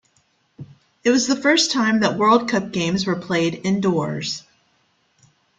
It was the first time that World Cup games were played indoors.